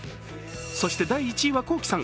そして第１位はＫｏｋｉ，さん。